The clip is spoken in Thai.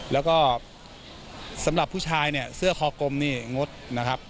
แล้วก็สำหรับผู้ชายเนี่ยเสื้อคอกลมนี่งดนะครับ